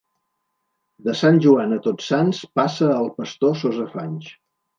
De Sant Joan a Tots Sants passa el pastor sos afanys.